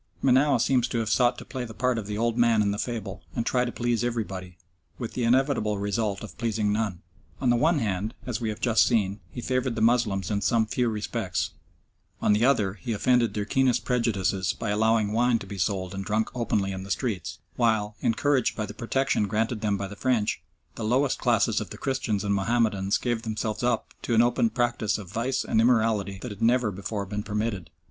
Menou seems to have sought to play the part of the old man in the fable, and try to please everybody, with the inevitable result of pleasing none. On the one hand, as we have just seen, he favoured the Moslems in some few respects, on the other he offended their keenest prejudices by allowing wine to be sold and drunk openly in the streets, while, encouraged by the protection granted them by the French, the lowest classes of the Christians and Mahomedans gave themselves up to an open practice of vice and immorality that had never before been permitted.